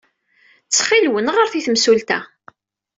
Ttxil-wen, ɣret i temsulta.